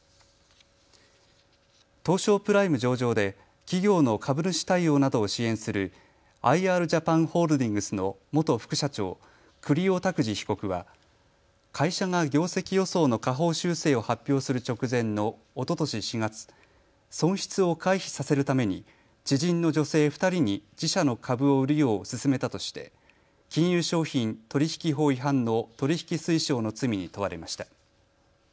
東証プライム上場で企業の株主対応などを支援するアイ・アールジャパンホールディングスの元副社長、栗尾拓滋被告は会社が業績予想の下方修正を発表する直前のおととし４月、損失を回避させるために知人の女性２人に自社の株を売るよう勧めたとして金融商品取引法違反の取引推奨の罪に問われました。